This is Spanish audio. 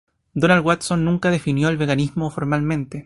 Donald Watson nunca definió el veganismo formalmente.